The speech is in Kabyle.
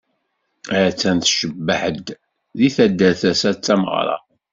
Attan tcebbeḥ-d, deg taddart assa d tameɣra.